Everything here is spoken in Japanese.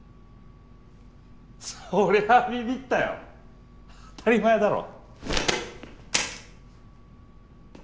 そりゃあビビったよ当たり前だろ。